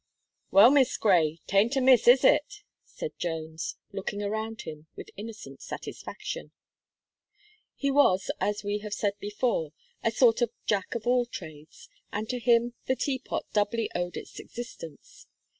"Well, Miss Gray, 'tain't amiss, is it?" said Jones, looking around him with innocent satisfaction. He was, as we have said before, a sort of Jack of all trades, and to him the Teapot doubly owed its existence.